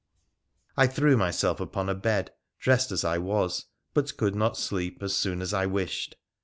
I threw myself upon a bed dressed as I was, but could not sleep as soon as I wished.